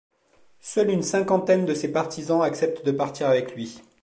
Seuls une cinquantaine de ses partisans acceptent de partir avec lui.